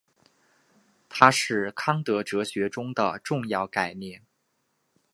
它是康德哲学中的重要概念。